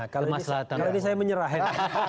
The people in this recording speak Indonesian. karena ini saya menyerahkan